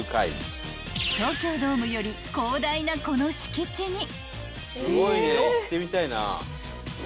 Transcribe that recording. ［東京ドームより広大なこの敷地に］